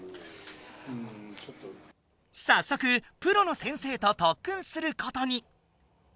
さっそくプロの先生と特訓することに。